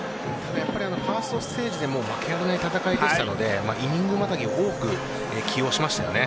ファーストステージでも負けられない戦いでしたのでイニングまたぎ多く起用しましたよね。